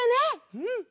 うん！